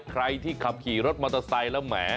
ใครที่ขับขี่รถมอเตอร์ไซค์แล้วแหม